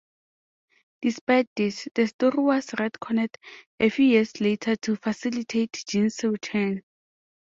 Despite this, the story was retconned a few years later to facilitate Jean's return.